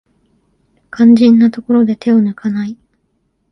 肝心なところで手を抜かない